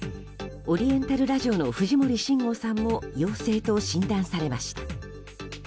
オリエンタルラジオの藤森慎吾さんも陽性と診断されました。